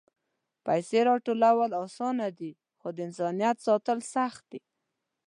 پېسې راټولول آسانه دي، خو د انسانیت ساتل سخت دي.